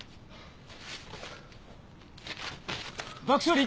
爆処理